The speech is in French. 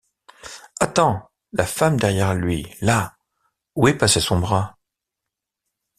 Attends, la femme derrière lui, là : où est passé son bras ?